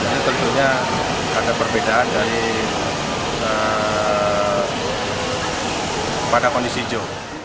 jadi tentunya ada perbedaan dari pada kondisi jho